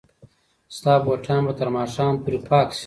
ستا بوټان به تر ماښامه پورې پاک شي.